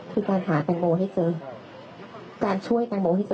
คือการหาแตงโมให้เจอการช่วยแตงโมให้เจอ